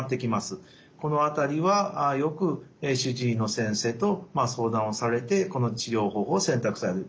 この辺りはよく主治医の先生と相談をされてこの治療方法を選択される